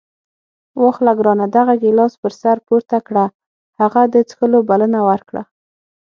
واخله ګرانه دغه ګیلاس پر سر پورته کړه. هغه د څښلو بلنه ورکړه.